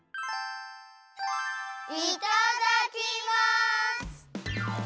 いただきます！